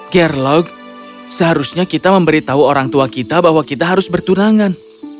gerlok seharusnya kita memberitahu orang tua kita bahwa kita harus bertunangan